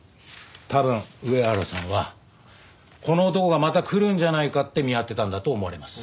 多分上原さんはこの男がまた来るんじゃないかって見張ってたんだと思われます。